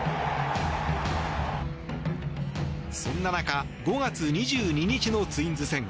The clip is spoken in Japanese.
そんな中５月２２日のツインズ戦。